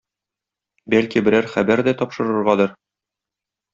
Бәлки берәр хәбәр дә тапшырыргадыр?